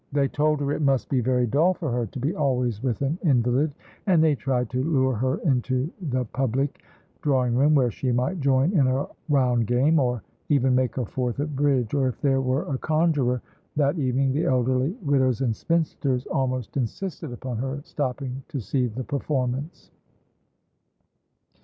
They told her it must be very dull for her to be always with an invalid, and they tried to lure her into the public drawing room, where she might join in a round game, or even make a fourth at bridge; or, if there were a conjuror that evening, the elderly widows and spinsters almost insisted upon her stopping to see the performance.